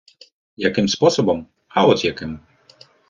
- Яким способом? А от яким.